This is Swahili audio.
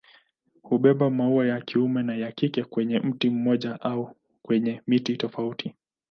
Hubeba maua ya kiume na ya kike kwenye mti mmoja au kwenye miti tofauti.